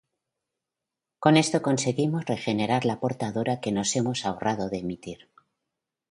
Con esto conseguimos regenerar la portadora que nos hemos ahorrado de emitir.